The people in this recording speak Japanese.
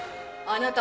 あなた